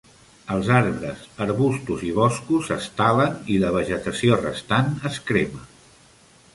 Els arbres, arbustos i boscos es talen i la vegetació restant es crema.